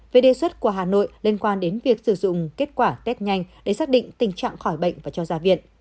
về đề xuất của hà nội liên quan đến việc sử dụng kết quả test nhanh để xác định tình trạng khỏi bệnh và cho ra viện